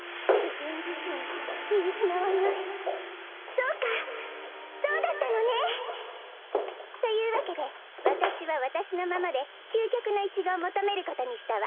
そうかそうだったのね！というわけでわたしはわたしのままできゅうきょくのイチゴをもとめることにしたわ。